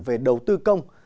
về đầu tư công